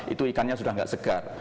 itu ikannya sudah tidak segar